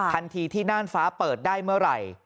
ทันทีที่น่านฟ้าเปิดได้เมื่อไหร่